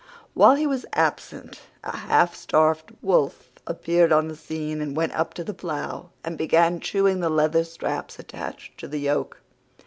While he was absent a half starved Wolf appeared on the scene, and went up to the plough and began chewing the leather straps attached to the yoke.